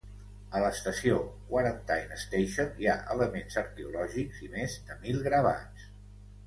A l'estació Quarantine Station hi ha elements arqueològics i més de mil gravats.